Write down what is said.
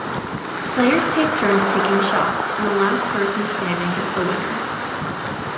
Players take turns taking shots, and the last person standing is the winner.